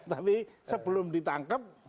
tapi sebelum ditangkep